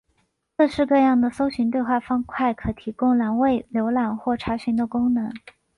各式各样的搜寻对话方块可提供栏位浏览或查询的功能。